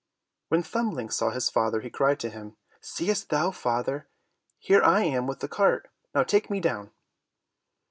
When Thumbling saw his father, he cried to him, "Seest thou, father, here I am with the cart; now take me down."